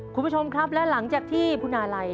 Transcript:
คุณผู้ชมครับและหลังจากที่คุณอาลัย